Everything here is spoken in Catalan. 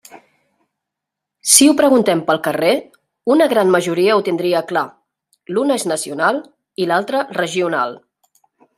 Si ho preguntem pel carrer, una gran majoria ho tindria clar: l'una és nacional i l'altra regional.